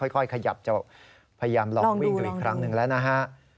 ค่อยขยับจะพยายามลองวิ่งดูอีกครั้งหนึ่งแล้วนะฮะ